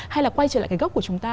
hay là quay trở lại cái gốc của chúng ta